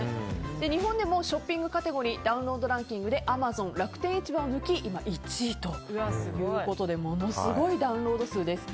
日本でもショッピングカテゴリーダウンロードランキングでアマゾン、楽天市場を抜き今１位ということでものすごいダウンロード数です。